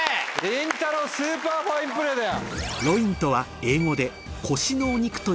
りんたろうスーパーファインプレーだよ。